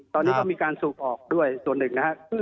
ตอนนี้ก็มีการสูบออกส่วนหนึ่ง